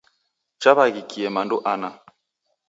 Chaw'aghikie mando ana.